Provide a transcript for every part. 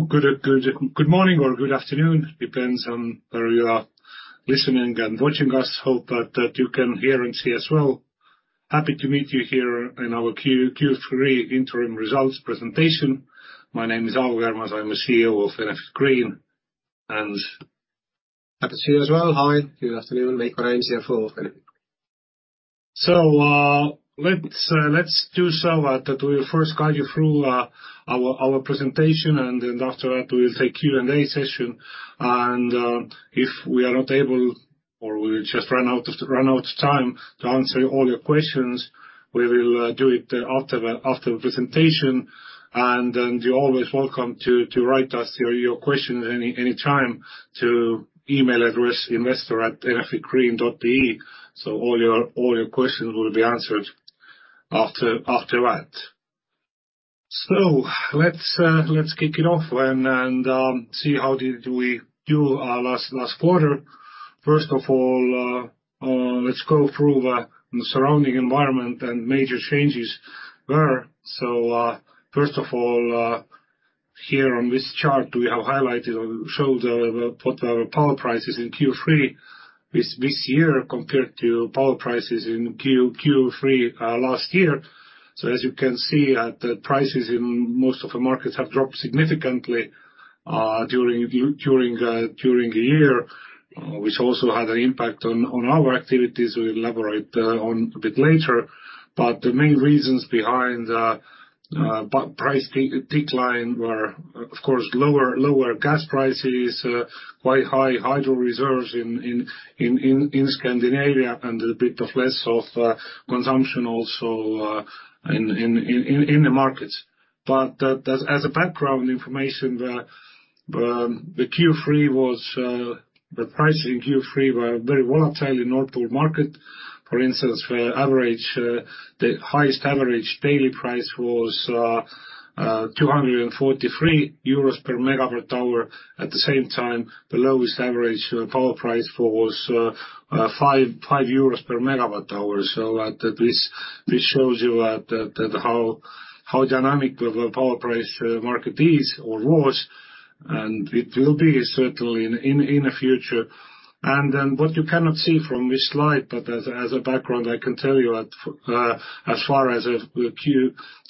Hello, good morning or good afternoon, depends on where you are listening and watching us. Hope that you can hear and see us well. Happy to meet you here in our Q3 interim results presentation. My name is Aavo Kärmas, I'm the CEO of Enefit Green, and- Happy to see you as well. Hi, good afternoon. Veiko Räim, CFO of Enefit Green. Let's do so that we'll first guide you through our presentation, and then after that, we will take Q&A session. If we are not able or we just run out of time to answer all your questions, we will do it after the presentation. You're always welcome to write us your questions anytime to email address investor@enefitgreen.ee. All your questions will be answered after that. Let's kick it off and see how did we do last quarter. First of all, let's go through the surrounding environment and major changes were. First of all, here on this chart, we have highlighted or showed what our power prices in Q3 this year, compared to power prices in Q3 last year. So as you can see, the prices in most of the markets have dropped significantly during the year, which also had an impact on our activities. We'll elaborate on a bit later. But the main reasons behind the price decline were, of course, lower gas prices, quite high hydro reserves in Scandinavia, and a bit less consumption also in the markets. But as background information, the prices in Q3 were very volatile in Nord Pool market. For instance, the highest average daily price was 243 euros per MWh. At the same time, the lowest average power price was 5 euros per MWh. So this shows you that how dynamic the power price market is or was, and it will be certainly in the future. And then, what you cannot see from this slide, but as a background, I can tell you that, as far as the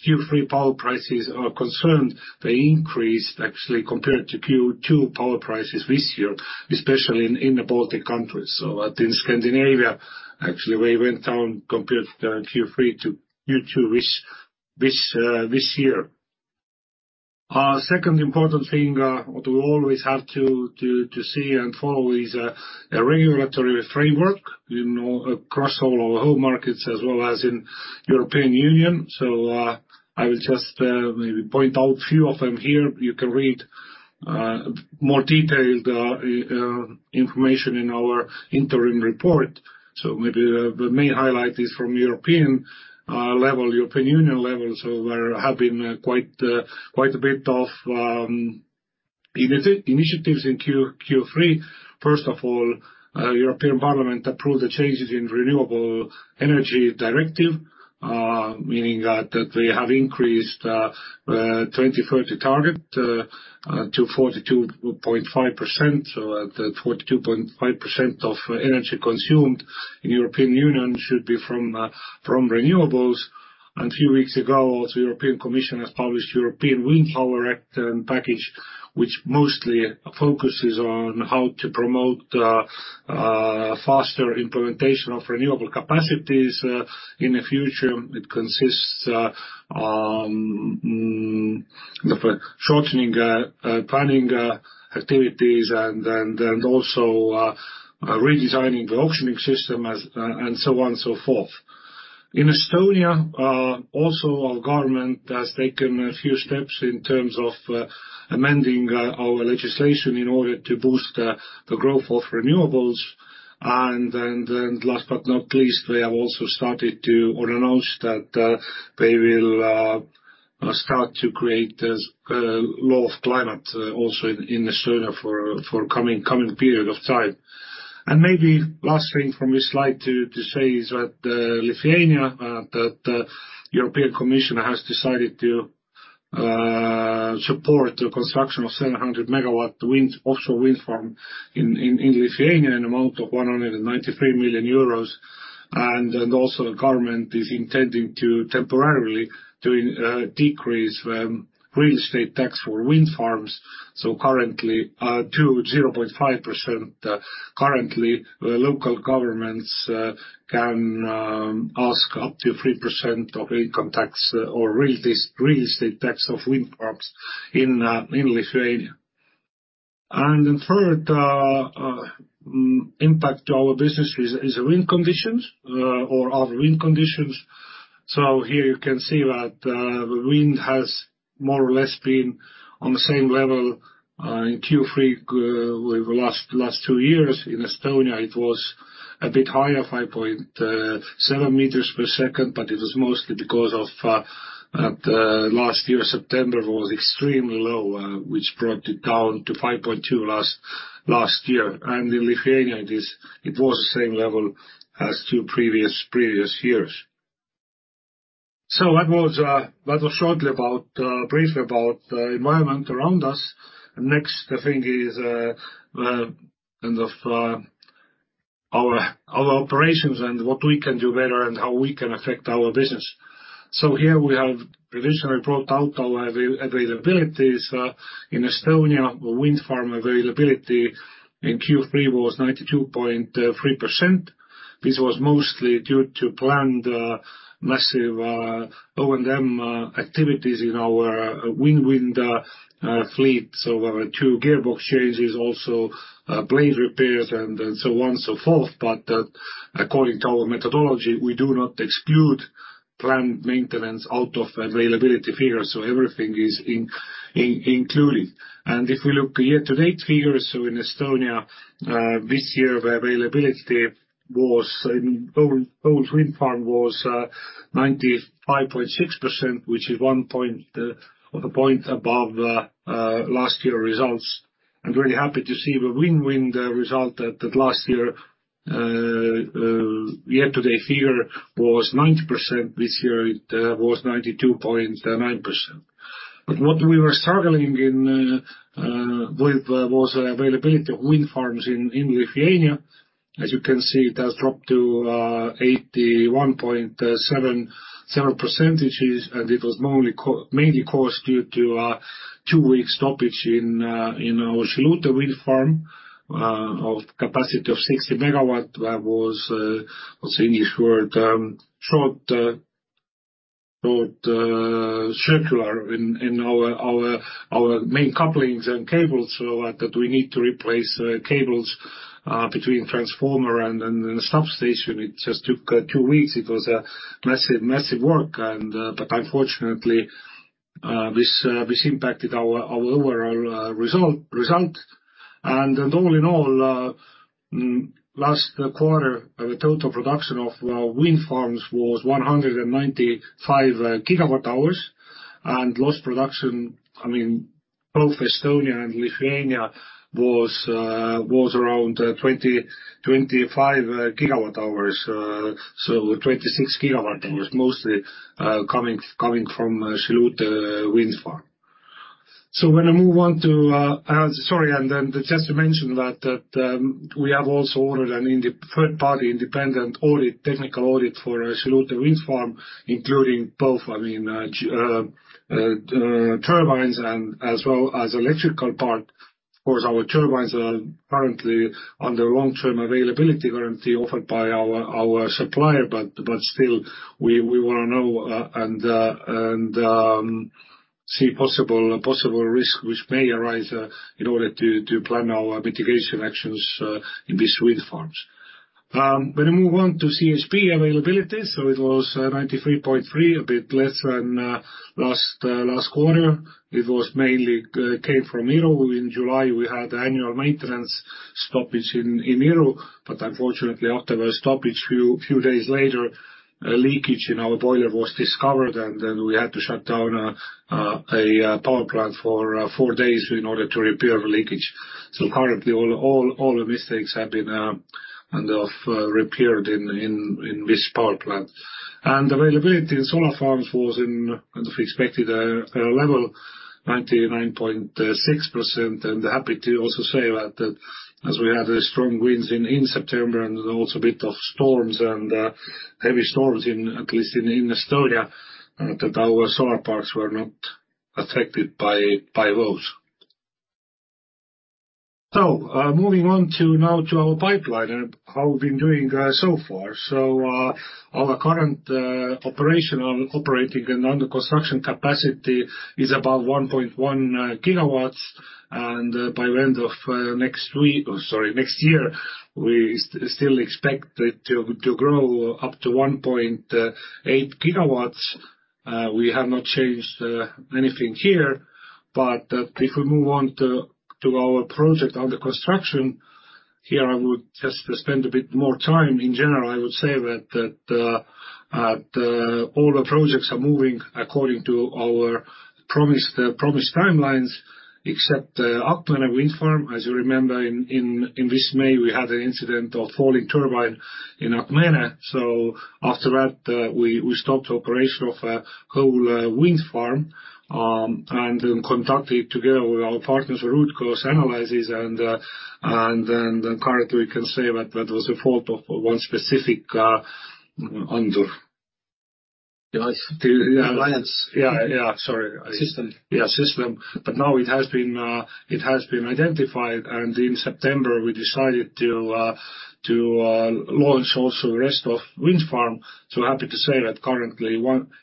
Q3 power prices are concerned, they increased actually, compared to Q2 power prices this year, especially in the Baltic countries. So in Scandinavia, actually, we went down compared Q3 to Q2, which this year. Second important thing, what we always have to see and follow is a regulatory framework, you know, across all our home markets as well as in European Union. So, I will just maybe point out a few of them here. You can read more detailed information in our interim report. So maybe the main highlight is from European level, European Union level. So there have been quite a bit of initiatives in Q3. First of all, European Parliament approved the changes in Renewable Energy Directive, meaning that they have increased the 2030 target to 42.5%. So at the 42.5% of energy consumed in European Union should be from renewables. A few weeks ago, also, European Commission has published European Wind Power Act and package, which mostly focuses on how to promote faster implementation of renewable capacities in the future. It consists of shortening planning activities and also redesigning the auctioning system and so on and so forth. In Estonia, also, our government has taken a few steps in terms of amending our legislation in order to boost the growth of renewables. Last but not least, they have also started to or announce that they will start to create a law of climate also in Estonia for coming period of time. And maybe last thing from this slide to say is that, Lithuania, that European Commission has decided to support the construction of 700 MW offshore wind farm in, in, in Lithuania, an amount of 193 million euros. And also, the government is intending to temporarily doing decrease real estate tax for wind farms. So currently, to 0.5%. Currently, local governments can ask up to 3% of income tax or real estate, real estate tax of wind farms in, in Lithuania. And the third impact to our business is wind conditions, or our wind conditions. So here you can see that, the wind has more or less been on the same level in Q3 with the last two years. In Estonia, it was a bit higher, 5.7 meters per second, but it was mostly because of last year, September, was extremely low, which brought it down to 5.2 last year. And in Lithuania, it was the same level as two previous years. So that was shortly about, briefly about the environment around us. And next, the thing is, the end of our operations and what we can do better, and how we can affect our business. So here we have previously brought out our availability in Estonia. Wind farm availability in Q3 was 92.3%. This was mostly due to planned massive O&M activities in our wind fleet. We had two gearbox changes, also blade repairs, and so on and so forth. According to our methodology, we do not exclude planned maintenance out of availability figures, so everything is included. If we look at year-to-date figures, in Estonia this year, the availability in old wind farm was 95.6%, which is 1 point above last year results. I'm very happy to see the wind result that last year, year-to-date figure was 90%, this year it was 92.9%. What we were struggling with was availability of wind farms in Lithuania. As you can see, it has dropped to 81.77%, and it was mainly caused due to a two-week stoppage in our Šilutė wind farm of capacity of 60 MW. There was what's the English word? short circuit in our main couplings and cables, so that we need to replace cables between transformer and the substation. It just took two weeks. It was a massive, massive work, and but unfortunately this impacted our overall result. And all in all, last quarter, the total production of our wind farms was 195 GWh, and lost production, I mean, both Estonia and Lithuania was around 20-25 GWh. So 26 GWh, mostly coming from Šilutė Wind Farm. So when I move on to... Sorry, and then just to mention that we have also ordered a third-party independent audit, technical audit for Šilutė Wind Farm, including both, I mean, turbines and as well as electrical part. Of course, our turbines are currently under long-term availability guarantee offered by our supplier, but still, we wanna know and see possible risk which may arise in order to plan our mitigation actions in these wind farms. When I move on to CHP availability, so it was 93.3%, a bit less than last quarter. It was mainly came from Iru. In July, we had annual maintenance stoppage in Iru, but unfortunately, after the stoppage, few days later, a leakage in our boiler was discovered, and then we had to shut down a power plant for four days in order to repair the leakage. So currently, all the mistakes have been kind of repaired in this power plant. And availability in solar farms was in kind of expected level, 99.6%. And happy to also say that as we had strong winds in September and also a bit of storms and heavy storms in at least in Estonia that our solar parks were not affected by those. So, moving on to now to our pipeline and how we've been doing so far. Our current operational operating and under construction capacity is about 1.1 GW, and by the end of next week, or sorry, next year, we still expect it to grow up to 1.8 GW. We have not changed anything here, but if we move on to our projects under construction, here, I would just spend a bit more time. In general, I would say that all the projects are moving according to our promised timelines, except Akmenė Wind Farm. As you remember, in this May, we had an incident of falling turbine in Akmenė. So after that, we stopped operation of a whole wind farm, and then conducted together with our partners root cause analysis. And then currently we can say that that was a fault of one specific underlying system. But now it has been identified, and in September, we decided to launch also the rest of the wind farm. So happy to say that currently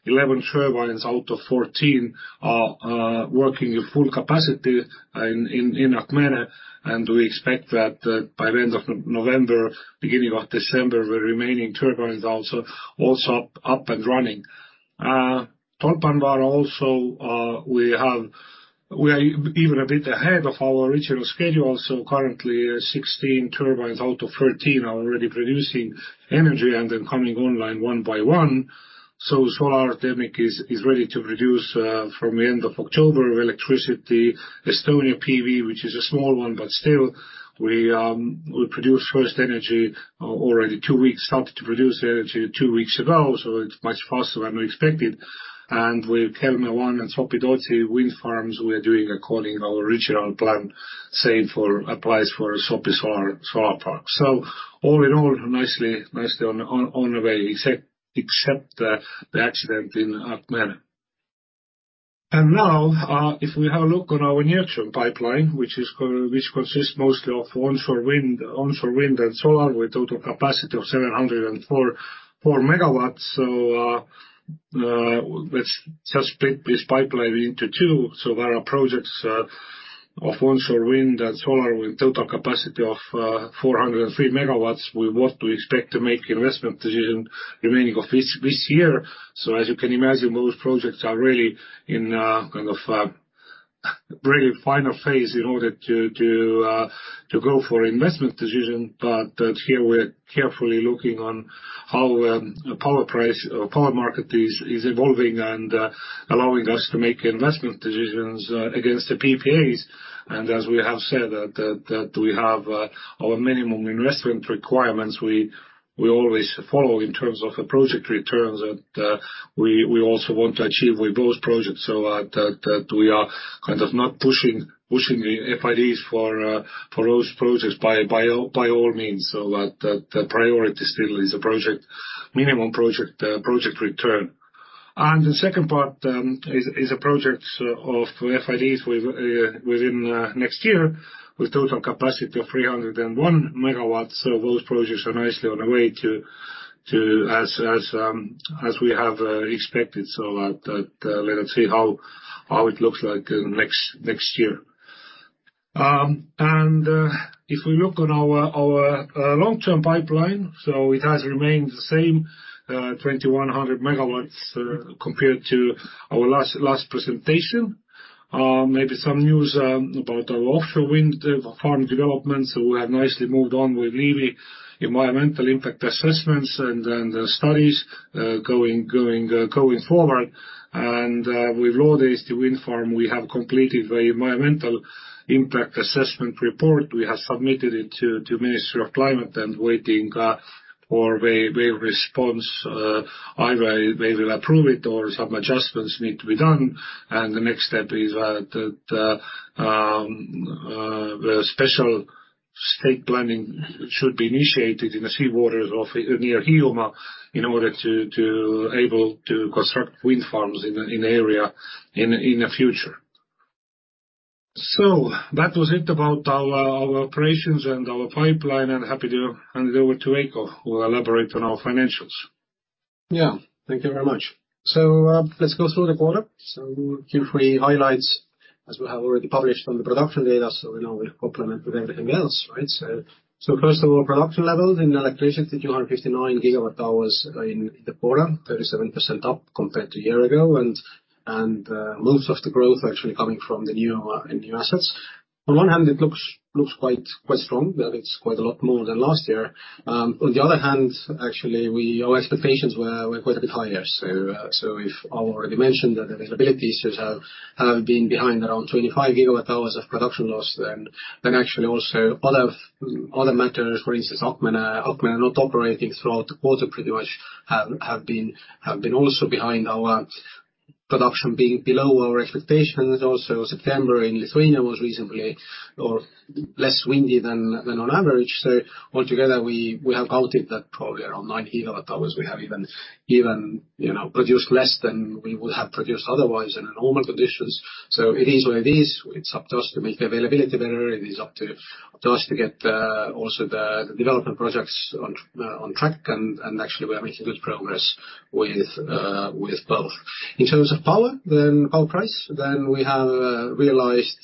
11 turbines out of 14 are working at full capacity in Akmenė, and we expect that by the end of November, beginning of December, the remaining turbines are also up and running. Tolpanvaara also, we are even a bit ahead of our original schedule, so currently 16 turbines out of 13 are already producing energy and then coming online one by one. So Sopi Solar is ready to produce from the end of October, electricity. Estonia PV, which is a small one, but still, we produce first energy already two weeks, started to produce energy two weeks ago, so it's much faster than we expected. With Kelmė I and Sopi-Tootsi wind farms, we are doing according to our original plan, same applies for Sopi Solar solar park. So all in all, nicely on the way, except the accident in Akmenė. Now, if we have a look on our near-term pipeline, which consists mostly of onshore wind and solar, with total capacity of 704 MW. Let's just split this pipeline into two. So there are projects of onshore wind and solar with total capacity of 403 MW, with what we expect to make investment decision remaining of this year. As you can imagine, those projects are really in, kind of, very final phase in order to go for investment decision. Here, we're carefully looking on how the power price, power market is evolving and allowing us to make investment decisions against the PPAs. As we have said, that we have our minimum investment requirements, we always follow in terms of the project returns, and we also want to achieve with those projects. That we are kind of not pushing, pushing the FIDs for those projects by all means. The priority still is the minimum project return. The second part is a project of FIDs within next year, with total capacity of 301 MW. So those projects are nicely on the way as we have expected. So that, let's see how it looks like in next year. And if we look on our long-term pipeline, so it has remained the same, 2,100 MW, compared to our last presentation. Maybe some news about our offshore wind farm development. So we have nicely moved on with Liivi environmental impact assessments and the studies going forward. With Loode-Eesti Wind Farm, we have completed the environmental impact assessment report. We have submitted it to Ministry of Climate and waiting for a response. Either they will approve it or some adjustments need to be done. And the next step is that the special state planning should be initiated in the seawaters of near Hiiumaa, in order to able to construct wind farms in the area in a future. So that was it about our operations and our pipeline, and happy to hand over to Veiko Räim, who will elaborate on our financials. Yeah, thank you very much. So, let's go through the quarter. So, a few key highlights, as we have already published on the production data, so we now will complement with everything else, right? So, first of all, production levels in electricity, 259 GWh in the quarter, 37% up compared to year ago. And most of the growth actually coming from the new, the new assets. On one hand, it looks quite strong, that it's quite a lot more than last year. On the other hand, actually, our expectations were quite a bit higher. So, if I already mentioned that the availability issues have been behind around 25 GWh of production loss, then actually also other matters, for instance, Akmenė not operating throughout the quarter pretty much, have been also behind our production being below our expectation. Also, September in Lithuania was reasonably or less windy than on average. So altogether, we have outed that probably around 9 GWh, we have even, you know, produced less than we would have produced otherwise in normal conditions. So, it is what it is. It's up to us to make the availability better. It is up to us to get also the development projects on track, and actually, we are making good progress with both. In terms of power, then power price, then we have realized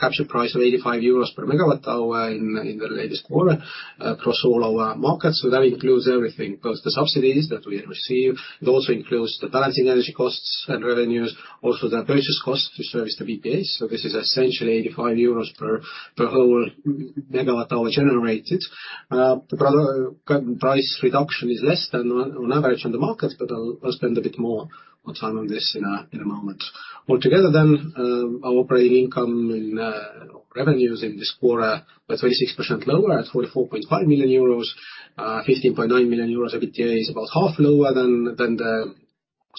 capture price of 85 euros per MWh in the latest quarter across all our markets. So that includes everything, both the subsidies that we receive, it also includes the balancing energy costs and revenues, also the purchase cost to service the PPAs. So, this is essentially 85 euros per whole MWh generated. The price reduction is less than on average on the market, but I'll spend a bit more time on this in a moment. Altogether, then our operating income and revenues in this quarter were 36% lower at 44.5 million euros. 15.9 million euros EBITDA is about half lower than the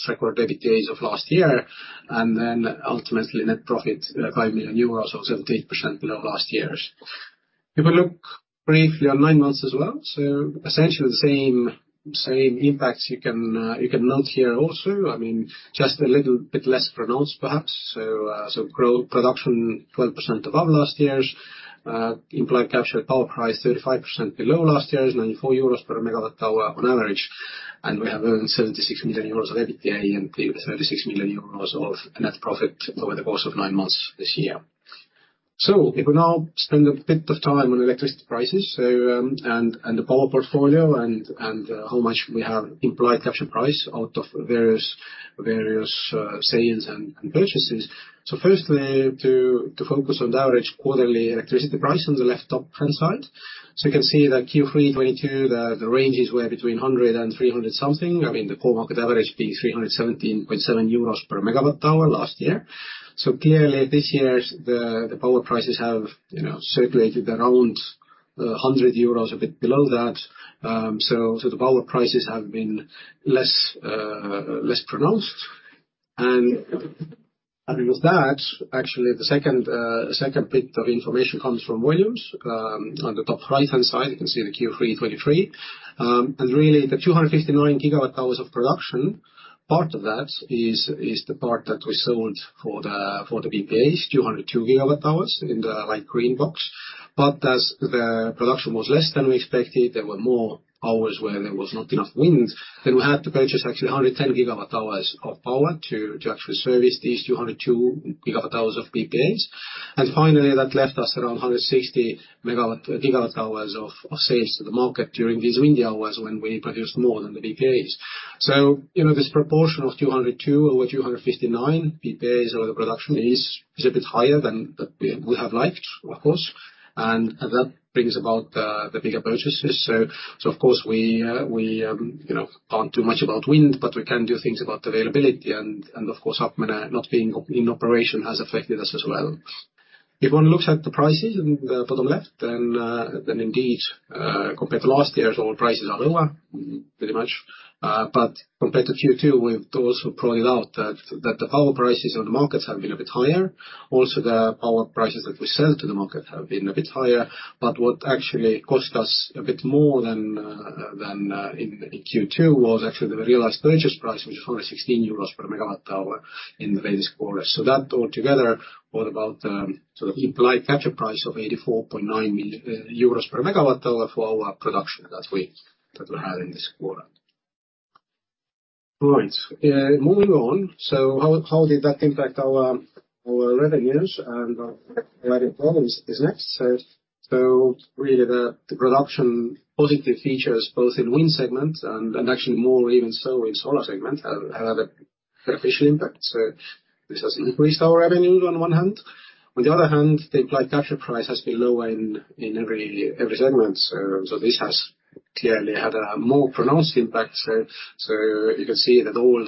record EBITDA of last year. And then ultimately, net profit, 5 million euros, so 78% below last year's. If we look briefly on nine months as well, so essentially the same, same impacts you can, you can note here also. I mean, just a little bit less pronounced, perhaps. So, growth production, 12% above last year's. Implied capture power price 35% below last year's, 94 euros per MWh on average, and we have earned 76 million euros of EBITDA, and 36 million euros of net profit over the course of nine months this year. So, if we now spend a bit of time on electricity prices, so, and, and the power portfolio, and, and, how much we have implied capture price out of various, various, sales and, and purchases. So firstly, to focus on the average quarterly electricity price on the left-top hand side. So you can see that Q3 2022, the ranges were between 100 and 300 something, I mean, the core market average being 317.7 euros per MWh last year. So clearly, this year's the power prices have, you know, circulated around 100 euros, a bit below that. So the power prices have been less less pronounced. And with that, actually, the second bit of information comes from volumes. On the top right-hand side, you can see the Q3 2023. And really, the 259 GWh of production, part of that is the part that we sold for the PPAs, 202 GWh in the light green box. But as the production was less than we expected, there were more hours where there was not enough wind, then we had to purchase actually 110 GWh of power to, to actually service these 202 GWh of PPAs. And finally, that left us around 160 GWh of sales to the market during these wind hours when we produced more than the PPAs. So, you know, this proportion of 202 over 259 PPAs over the production is a bit higher than we have liked, of course, and that brings about the bigger purchases. Of course, we, you know, can't do much about wind, but we can do things about availability, and of course, Akmenė not being in operation has affected us as well. If one looks at the prices in the bottom left, then indeed, compared to last year's, all prices are lower, pretty much. Compared to Q2, we've also pointed out that the power prices on the markets have been a bit higher. Also, the power prices that we sell to the market have been a bit higher, but what actually cost us a bit more than in Q2 was actually the realized purchase price, which is only 16 euros per megawatt hour in the latest quarter. That all together, were about, sort of implied capture price of 84.9 million euros per megawatt hour for our production that we had in this quarter. All right, moving on. How did that impact our revenues? Our added problems is next. Really, the production positive features, both in wind segment and actually more even so in solar segment, have a official impact. This has increased our revenues on one hand. On the other hand, the implied capture price has been lower in every segment. This has clearly had a more pronounced impact. So, you can see that all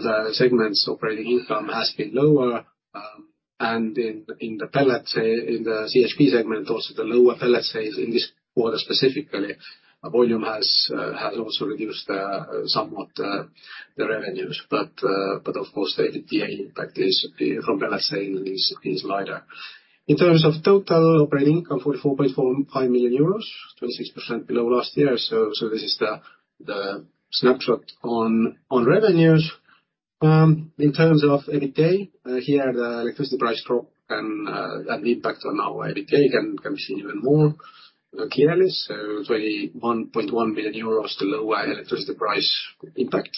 the segments operating income has been lower, and in the pellet, in the CHP segment, also the lower pellet sales in this quarter, specifically, volume has also reduced somewhat the revenues. But of course, the EBITDA impact from pellet sale is lighter. In terms of total operating income, 44.45 million euros, 26% below last year. So this is the snapshot on revenues. In terms of EBITDA, here, the electricity price drop can have impact on our EBITDA, can be seen even more clearly. So 21.1 million euros, the lower electricity price impact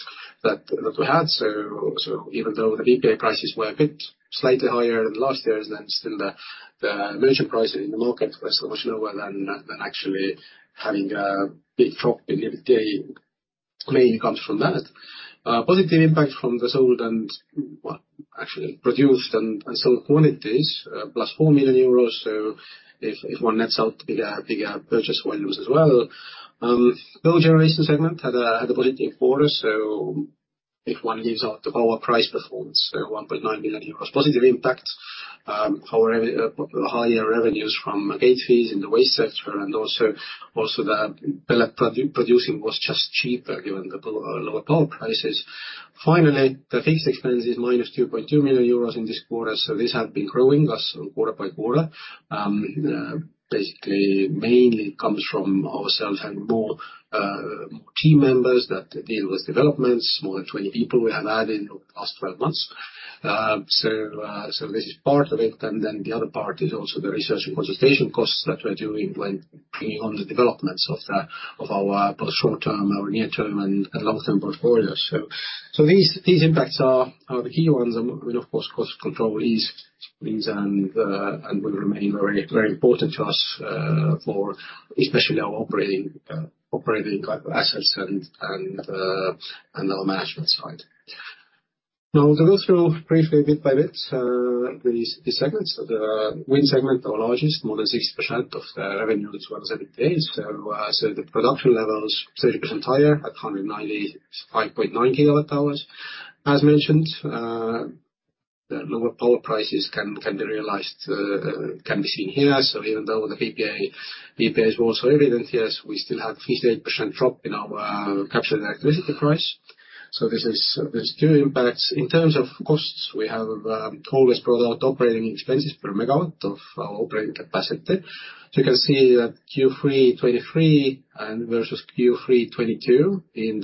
that we had. So even though the PPA prices were a bit slightly higher than last year's, then still the merchant price in the market was so much lower than actually having a big drop in EBITDA, mainly comes from that. Positive impact from the sold and, well, actually produced and sold quantities, plus 4 million euros, so if one nets out the purchase volumes as well. The generation segment had a positive quarter, so if one leaves out the lower price performance, 1.9 million euros positive impact. However, higher revenues from gate fees in the waste sector and also the pellet producing was just cheaper given the lower power prices. Finally, the fixed expense is -2.2 million euros in this quarter, so this had been growing as quarter by quarter. Basically, mainly comes from ourselves and more team members that deal with developments, more than 20 people we have added over the past 12 months. So, this is part of it, and then the other part is also the research and consultation costs that we're doing when we... On the developments of our both short-term, our near-term, and long-term portfolios. So, these impacts are the key ones, and of course, cost control is and will remain very, very important to us for especially our operating type of assets and our management side. Now, to go through briefly, bit by bit, these segments. The wind segment, our largest, more than 60% of the revenue as well as EBITDA. So, the production levels, 30% higher at 195.9 GWh. As mentioned, the lower power prices can be realized, can be seen here. So even though the PPA, PPAs were also evident here, we still had 58% drop in our captured electricity price. So this is—there's two impacts. In terms of costs, we have always brought out operating expenses per megawatt of our operating capacity. So you can see that Q3 2023 versus Q3 2022 in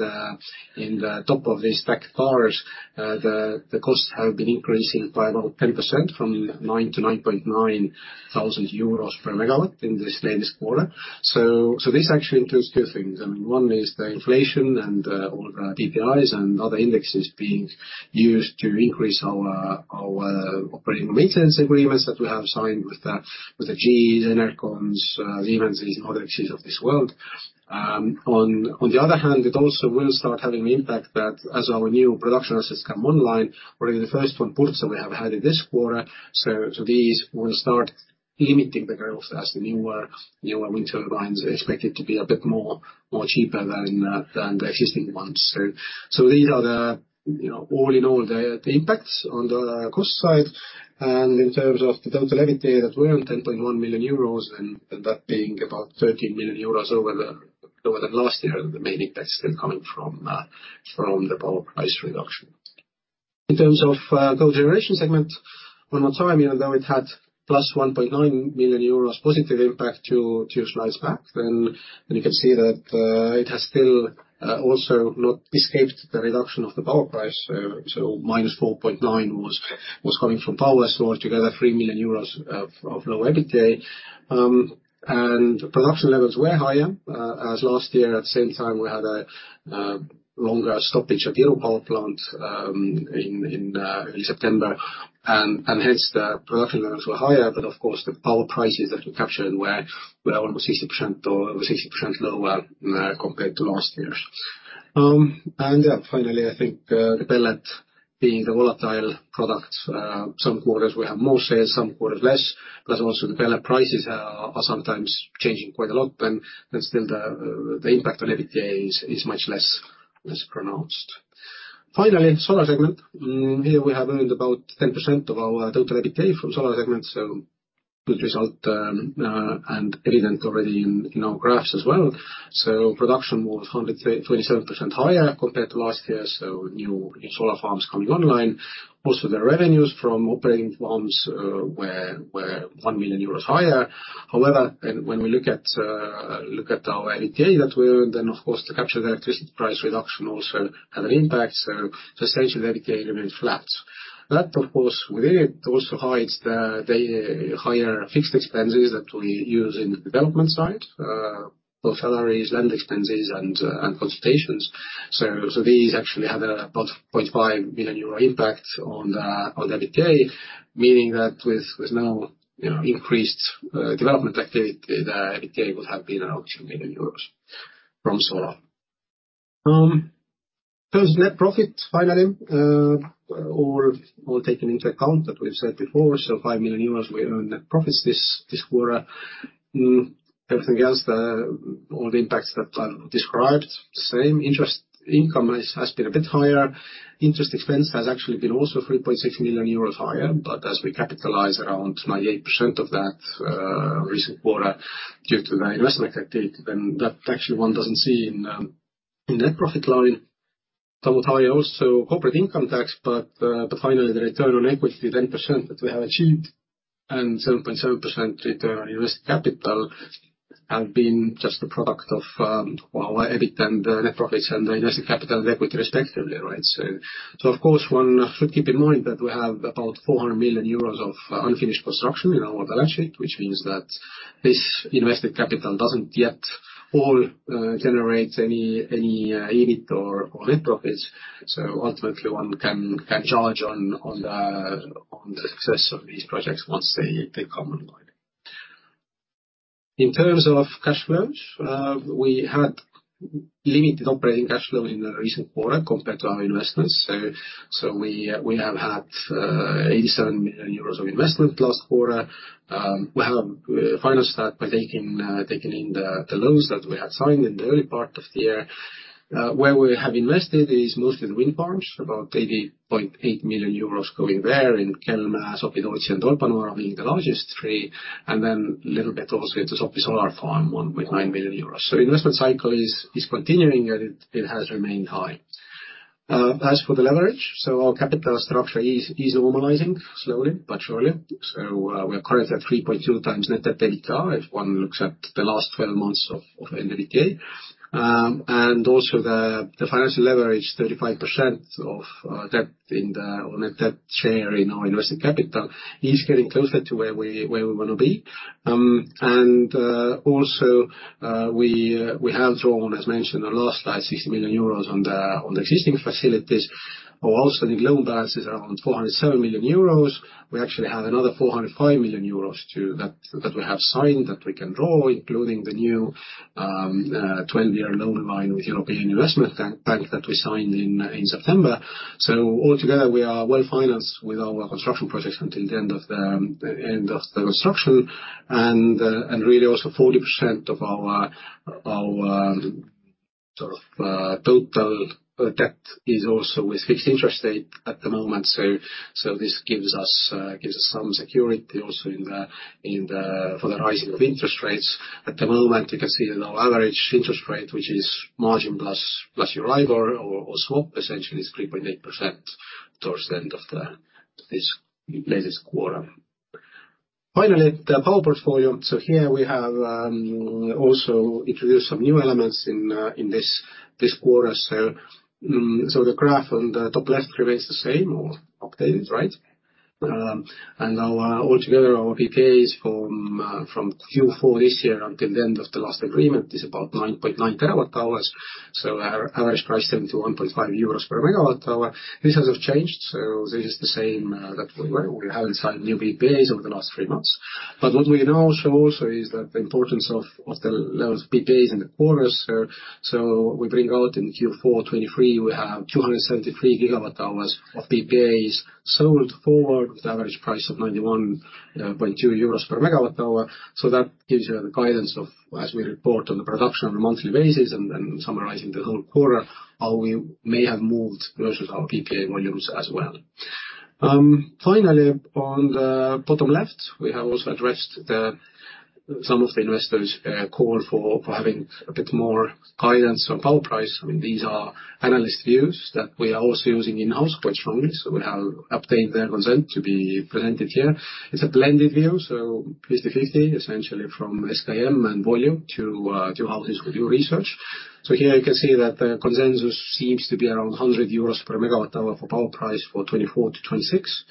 the top of these stacked bars, the costs have been increasing by about 10% from 9 to 9.9 thousand euros per megawatt in this latest quarter. So this actually includes two things. I mean, one is the inflation and, all the PPAs and other indexes being used to increase our, our operating maintenance agreements that we have signed with the, with the GEs, Enercon, Siemens, and other GEs of this world. On, on the other hand, it also will start having an impact that as our new production assets come online, or even the first one, Purtse, we have had in this quarter, so, so these will start limiting the growth as the newer, newer wind turbines are expected to be a bit more, more cheaper than, than the existing ones. So, so these are the, you know, all in all, the, the impacts on the cost side. In terms of the total EBITDA, that were 10.1 million euros, and that being about 13 million euros over the last year, the main impact still coming from the power price reduction. In terms of the generation segment, one more time, even though it had +1.9 million euros positive impact to last year, then you can see that it has still also not escaped the reduction of the power price. So -4.9 was coming from power, so altogether, 3 million euros of low EBITDA. And production levels were higher than last year, at the same time, we had a longer stoppage at the old power plant in September, and hence, the production levels were higher. But of course, the power prices that we captured were almost 60% or over 60% lower compared to last year's. And yeah, finally, I think the pellet being the volatile product, some quarters we have more sales, some quarters less, but also the pellet prices are sometimes changing quite a lot, and still the impact on EBITDA is much less pronounced. Finally, solar segment. Here we have earned about 10% of our total EBITDA from solar segment, so good result, and evident already in our graphs as well. So, production was 127% higher compared to last year, so new solar farms coming online. Also, the revenues from operating farms were 1 million euros higher. However, when we look at our EBITDA that we earned, then, of course, to capture the electricity price reduction also had an impact, so essentially, the EBITDA remained flat. That, of course, within it, also hides the higher fixed expenses that we use in the development side for salaries, land expenses, and consultations. So, these actually had about 0.5 million euro impact on the EBITDA, meaning that with no, you know, increased development activity, the EBITDA would have been around EUR 2 million from solar. There's net profit, finally, all taken into account, as we've said before, so 5 million euros, we earned net profits this quarter. Everything else, all the impacts that I've described, same interest income has been a bit higher. Interest expense has actually been also 3.6 million euros higher, but as we capitalize around 98% of that recent quarter due to the investment activity, then that actually one doesn't see in, in net profit line. Somewhat higher also, corporate income tax, but, but finally, the return on equity, 10% that we have achieved, and 7.7% return on invested capital, have been just a product of, well, our EBIT and the net profits and the invested capital and equity, respectively, right? So, so of course, one should keep in mind that we have about 400 million euros of unfinished construction in our balance sheet, which means that this invested capital doesn't yet all, generate any, any, EBIT or, net profits. So ultimately, one can judge on the success of these projects once they come online. In terms of cash flows, we had limited operating cash flows in the recent quarter compared to our investments. So we have had 87 million euros of investment last quarter. We have financed that by taking in the loans that we had signed in the early part of the year. Where we have invested is mostly the wind farms, about 80.8 million euros going there in Kelmė, Sopi-Tootsi, and Tolpanvaara being the largest three, and then a little bit also into the solar farm, 1.9 million euros. So investment cycle is continuing, and it has remained high. As for the leverage, so our capital structure is normalizing slowly but surely. We are currently at 3.2x net debt EBITDA, if one looks at the last 12 months of EBITDA. Also the financial leverage, 35% of debt in the net debt share in our invested capital, is getting closer to where we, where we wanna be. We have drawn, as mentioned on the last slide, EUR 60 million on the existing facilities. We're also in loan balances around 407 million euros. We actually have another 405 million euros to that, that we have signed, that we can draw, including the new 20-year loan line with European Investment Bank that we signed in September. So altogether, we are well-financed with our construction projects until the end of the construction, and really, also 40% of our total debt is also with fixed interest rate at the moment, so this gives us some security also in the for the rising of interest rates. At the moment, you can see that our average interest rate, which is margin plus Euribor or swap, essentially is 3.8% towards the end of this latest quarter. Finally, the power portfolio. So here we have also introduced some new elements in this quarter. So the graph on the top left remains the same or updated, right? Now, altogether, our PPAs from Q4 this year until the end of the last agreement is about 9.9 TWh, so our average price, 71.5 euros per MWh. This hasn't changed, so this is the same that we were. We have signed new PPAs over the last three months. But what we now show also is that the importance of the levels of PPAs in the quarter. So we bring out in Q4 2023, we have 273 GWh of PPAs sold forward with average price of 91.2 euros per MWh. So that gives you the guidance of, as we report on the production on a monthly basis, and then summarizing the whole quarter, how we may have moved versus our PPA volumes as well. Finally, on the bottom left, we have also addressed the some of the investors' call for having a bit more guidance on power price. I mean, these are analyst views that we are also using in-house quite strongly, so we have obtained their consent to be presented here. It's a blended view, so 50/50, essentially, from SKM and Volue to house this new research. So here you can see that the consensus seems to be around 100 EUR/MWh for power price for 2024 to 2026.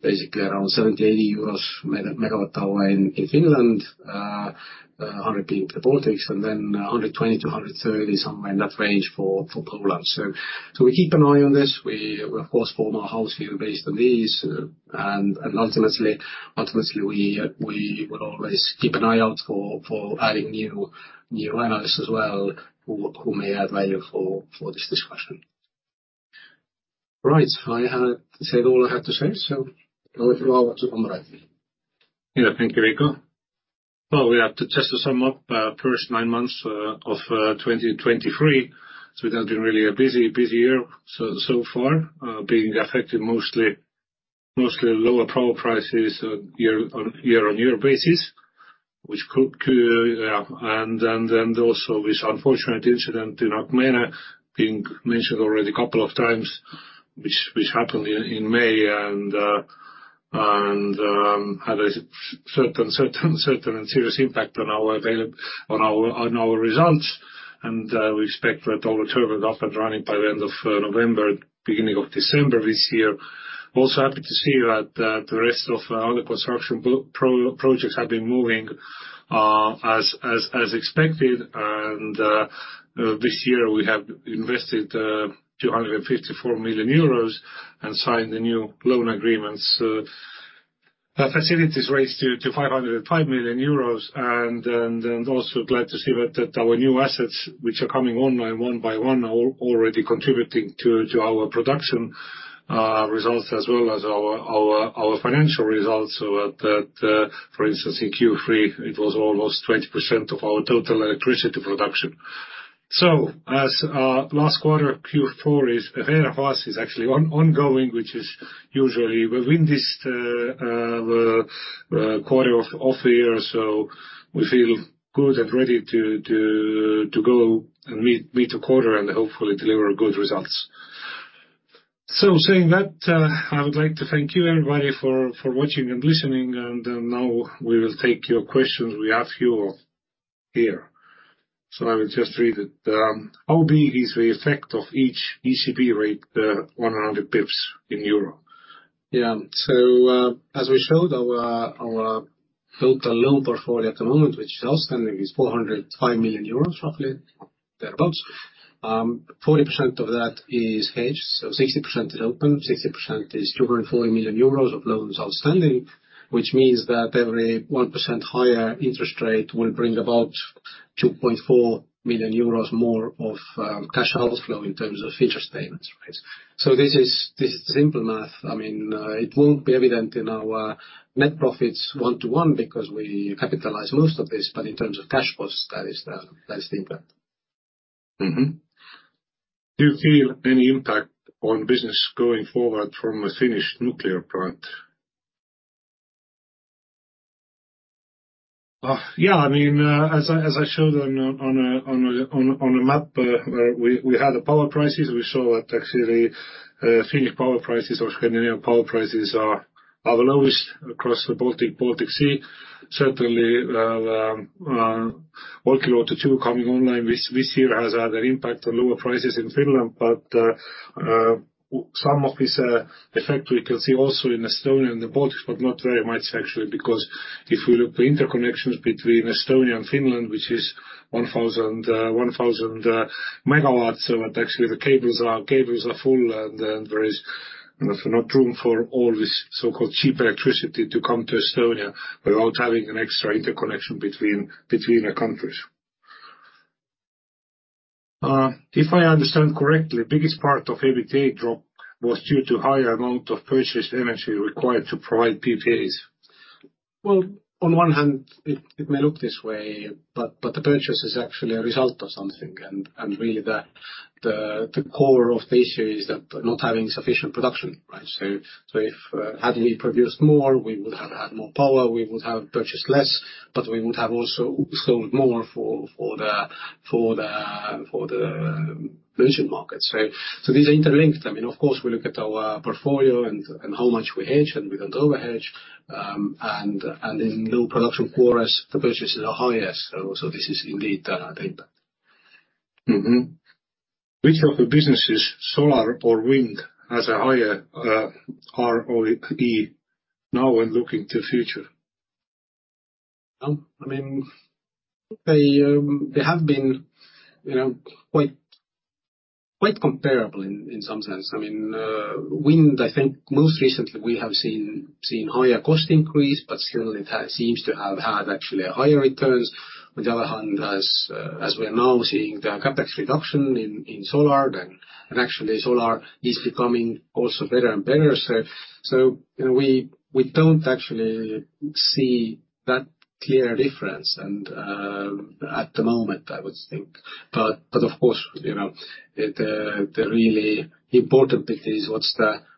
Basically, around 70-80 euros per MWh in Finland, 100 EUR per MWh in the Baltics, and then 120-130 EUR per MWh, somewhere in that range, for Poland. So, we keep an eye on this. We, of course, form our house view based on these, and ultimately, we will always keep an eye out for adding new analysts as well, who may add value for this discussion. Right, I have said all I have to say, so over to you, Aavo. Yeah. Thank you, Veiko Räim. Well, we have to just to sum up, first nine months of 2023. So that's been really a busy, busy year so far, being affected mostly lower power prices year-on-year basis, which, and also this unfortunate incident in Akmenė, being mentioned already a couple of times, which happened in May, and had a certain and serious impact on our availability, on our results. And we expect that all the turbines up and running by the end of November, beginning of December this year. Also, happy to see that the rest of other construction projects have been moving as expected. This year, we have invested 254 million euros and signed the new loan agreements, facilities raised to 505 million euros. And also glad to see that our new assets, which are coming online one by one, are already contributing to our production results as well as our financial results. So that, for instance, in Q3, it was almost 20% of our total electricity production. So, as last quarter, Q4 is ahead of us, is actually ongoing, which is usually the windiest quarter of the year, so we feel good and ready to go and meet the quarter and hopefully deliver good results. Saying that, I would like to thank you, everybody, for, for watching and listening, and, now we will take your questions. We have few here. So, I will just read it. How big is the effect of each ECB rate, 100 basis points in euro? Yeah. So, as we showed, our, our total loan portfolio at the moment, which outstanding, is 405 million euros, roughly, thereabouts. Forty percent of that is hedged, so 60% is open, 60% is 240 million euros of loans outstanding, which means that every 1% higher interest rate will bring about 2.4 million euros more of, cash outflow in terms of interest payments, right? So this is, this is simple math. I mean, it won't be evident in our, net profits one-to-one because we capitalize most of this, but in terms of cash flows, that is the, that is the impact. Mm-hmm. Do you feel any impact on business going forward from a finished nuclear plant? Yeah, I mean, as I showed on a map, where we had the power prices, we saw that actually, Finnish power prices or Scandinavian power prices are the lowest across the Baltic Sea. Certainly, Olkiluoto 2 coming online this year has had an impact on lower prices in Finland, but some of this effect we can see also in Estonia and the Baltics, but not very much actually, because if you look the interconnections between Estonia and Finland, which is 1,000 MW, so that actually the cables are full, and then there is not room for all this so-called cheap electricity to come to Estonia without having an extra interconnection between our countries. If I understand correctly, biggest part of EBITDA drop was due to higher amount of purchased energy required to provide PPAs. Well, on one hand, it may look this way, but the purchase is actually a result of something. And really the core of the issue is that not having sufficient production, right? So if had we produced more, we would have had more power, we would have purchased less, but we would have also sold more for the merchant market. So, these are interlinked. I mean, of course, we look at our portfolio and how much we hedge and we don't overhedge. And in low production quarters, the purchases are highest. So, this is indeed the impact. Mm-hmm. Which of the businesses, solar or wind, has a higher ROE now and looking to the future? Well, I mean, they have been, you know, quite comparable in some sense. I mean, wind, I think most recently we have seen higher cost increase, but still it seems to have had actually a higher returns. On the other hand, as we are now seeing the CapEx reduction in solar, then, and actually solar is becoming also better and better. So, you know, we don't actually see that clear difference and, at the moment, I would think. But of course, you know, the really important bit is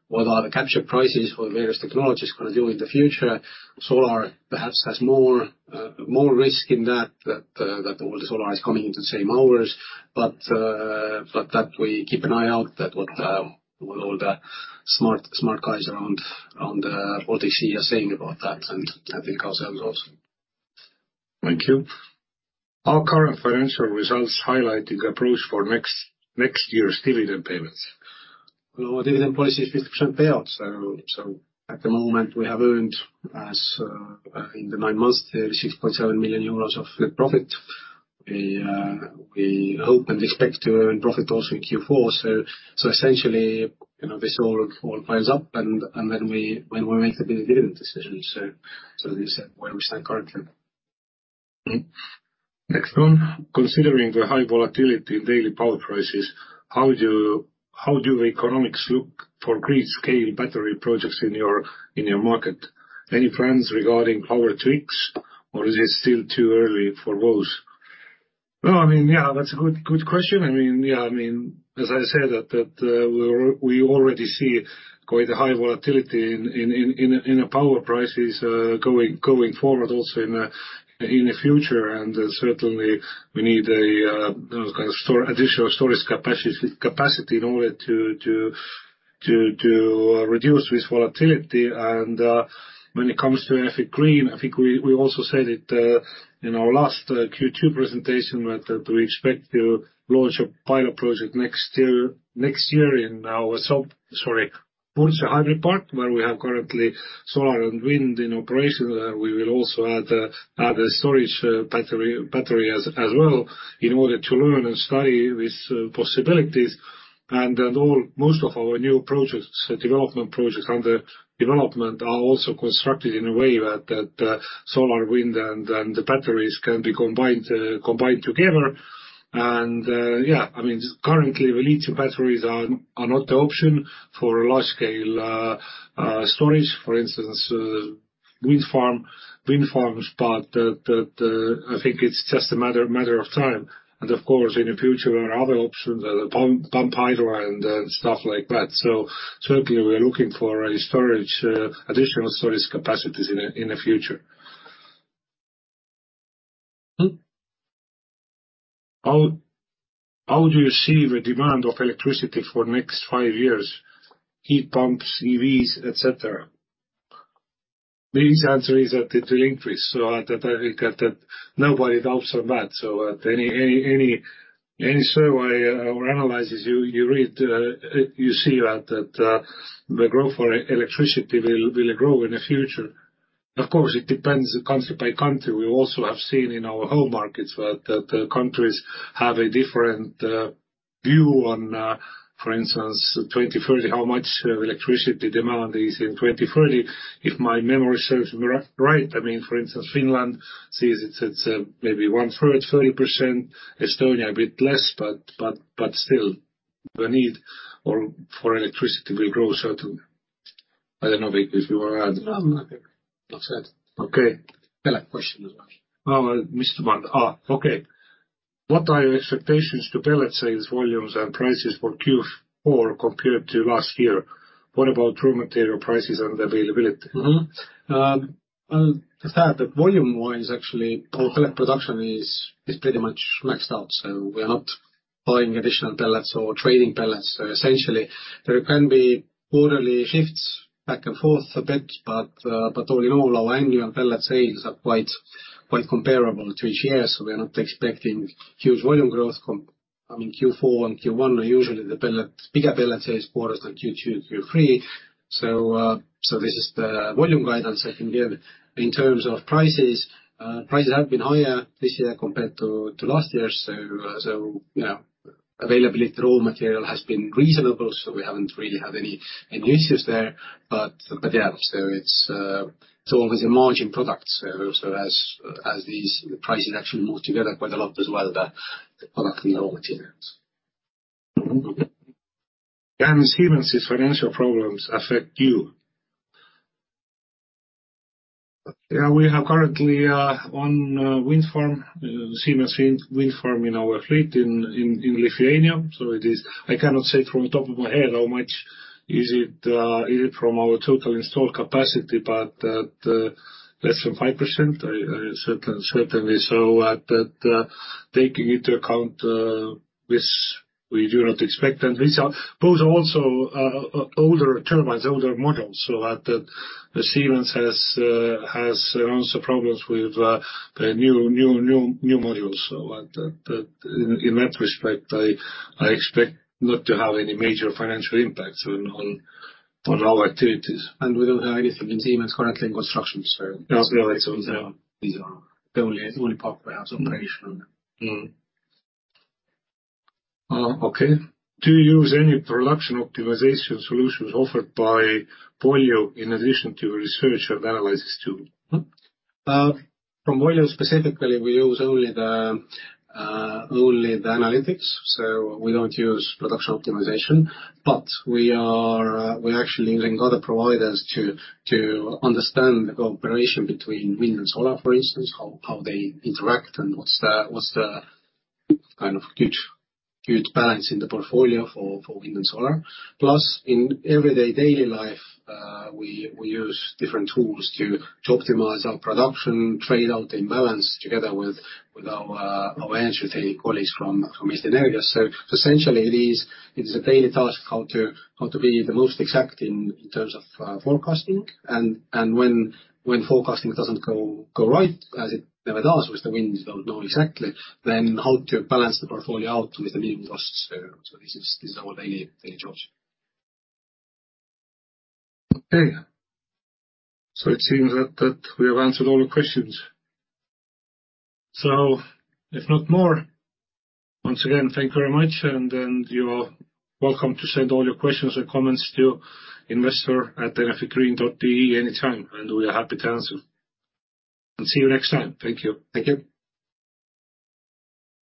what are the capture prices for the various technologies gonna do in the future? Solar perhaps has more risk in that all the solar is coming in the same hours. But that we keep an eye out that what all the smart, smart guys around, on the OTC are saying about that, and I think ourselves also. Thank you. Our current financial results highlighting approach for next, next year's dividend payments. Well, our dividend policy is 50% payout, so at the moment, we have earned as in the nine months, 60.7 million euros of net profit. We hope and expect to earn profit also in Q4. So essentially, you know, this all piles up, and then we make the dividend decision. So, this is where we stand currently. Mm-hmm. Next one: considering the high volatility in daily power prices, how do economics look for grid-scale battery projects in your market? Any plans regarding power tweaks, or is it still too early for those? Well, I mean, yeah, that's a good, good question. I mean, yeah, I mean, as I said, that, that, we're already seeing quite a high volatility in the power prices going forward, also in the future. And certainly, we need a kind of storage, additional storage capacity in order to reduce this volatility. And when it comes to Enefit Green, I think we also said it in our last Q2 presentation, that we expect to launch a pilot project next year, next year in our—sorry, Purtse Hybrid Park, where we have currently solar and wind in operation. We will also add a storage battery as well, in order to learn and study these possibilities. And then all, most of our new projects, development projects under development, are also constructed in a way that solar, wind, and the batteries can be combined, combined together. And yeah, I mean, currently, lithium batteries are not the option for large-scale storage, for instance, wind farm, wind farms. But I think it's just a matter of time. And of course, in the future, there are other options, pump hydro and stuff like that. So certainly, we're looking for a storage, additional storage capacities in the future. Mm-hmm. How do you see the demand of electricity for next five years, heat pumps, EVs, et cetera? The easy answer is that it will increase, so that, I think, that nobody doubts that bad. So, any survey or analysis you read, you see that the growth for electricity will grow in the future. Of course, it depends on country by country. We also have seen in our home markets that countries have a different view on, for instance, 2030, how much electricity demand is in 2030. If my memory serves me right, I mean, for instance, Finland sees it's maybe one-third, 30%, Estonia, a bit less, but still, the need for electricity will grow, certainly. Vieko, don't know if you want to add. No, I think that's it. Okay. Pellet question as well. Oh, missed one. What are your expectations to pellet sales volumes and prices for Q4 compared to last year? What about raw material prices and availability? Mm-hmm. Well, the fact that volume-wise, actually, pellet production is pretty much maxed out, so we are not buying additional pellets or trading pellets. Essentially, there can be quarterly shifts back and forth a bit, but all in all, our annual pellet sales are quite, quite comparable to each year, so we are not expecting huge volume growth. I mean, Q4 and Q1 are usually bigger pellet sales quarters than Q2 and Q3. So, so this is the volume guidance I can give. In terms of prices, prices have been higher this year compared to last year. So, you know, availability of the raw material has been reasonable, so we haven't really had any, any issues there. But yeah, so it's always a margin product. As these pricing actually move together quite a lot as well, the product we all obtain. Can Siemens' financial problems affect you? Yeah, we have currently one wind farm, Siemens wind farm in our fleet in Lithuania. So, it is... I cannot say it from the top of my head how much is it from our total installed capacity, but less than 5%, certainly. So at that, taking into account which we do not expect, and these are, those are also older turbines, older models. So, at that, the Siemens has also problems with the new modules. So, at that, in that respect, I expect not to have any major financial impacts on our activities. We don't have any from the team that's currently in construction. These are the only, the only part we have operational. Mm-hmm. Okay. Do you use any production optimization solutions offered by Volue in addition to your research and analysis tool? From Volue, specifically, we use only the, only the analytics, so we don't use production optimization. But we are, we're actually using other providers to understand the cooperation between wind and solar, for instance, how they interact and what's the, what's the kind of good, good balance in the portfolio for wind and solar. Plus, in everyday daily life, we use different tools to optimize our production, trade out imbalance together with our engineering colleagues from various areas. So essentially, it is, it's a daily task how to be the most exact in terms of forecasting. And when forecasting doesn't go right, as it never does, with the winds, don't know exactly, then how to balance the portfolio out with the mean costs. So, this is our daily job. Okay. So, it seems that we have answered all the questions. So, if not more, once again, thank you very much, and you're welcome to send all your questions or comments to investor@enefitgreen.ee anytime, and we are happy to answer. And see you next time. Thank you. Thank you.